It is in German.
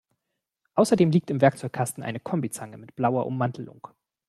Außerdem liegt im Werkzeugkasten eine Kombizange mit blauer Ummantelung.